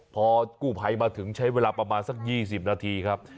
พอกู้ภัยมาถึงใช้เวลาประมาณสัก๒๐นาทีครับ